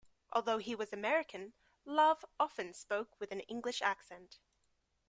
Although he was American, Love often spoke with an English accent.